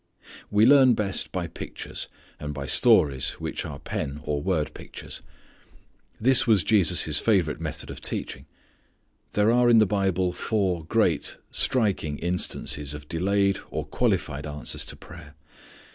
We learn best by pictures, and by stories which are pen or word pictures. This was Jesus' favourite method of teaching. There are in the Bible four great, striking instances of delayed, or qualified answers to prayer.